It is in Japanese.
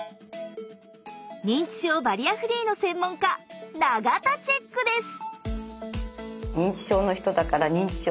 認知症バリアフリーの専門家永田チェックです！